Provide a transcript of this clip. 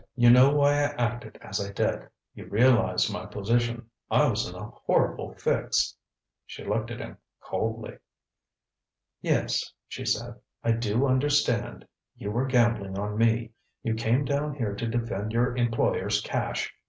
"You know why I acted as I did. You realize my position. I was in a horrible fix " She looked at him coldly. "Yes," she said, "I do understand. You were gambling on me. You came down here to defend your employer's cash.